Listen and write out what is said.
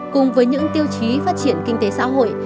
cùng với những tiêu chí phát triển kinh tế xã hội